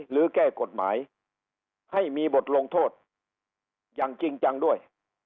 แก้กฎหมายให้มีบทลงโทษอย่างจริงจังด้วย